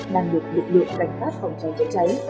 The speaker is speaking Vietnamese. đang được lực lượng cảnh phát phòng cháy cháy cháy